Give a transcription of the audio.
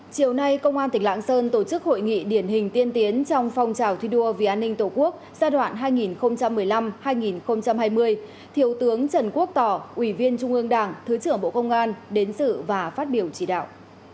chiều nay công an tỉnh lạng sơn tổ chức hội nghị điển hình tiên tiến trong phong trào thi đua vì an ninh tổ quốc giai đoạn hai nghìn một mươi năm hai nghìn hai mươi thiếu tướng trần quốc tỏ ủy viên trung ương đảng thứ trưởng bộ công an đến sự và phát biểu chỉ đạo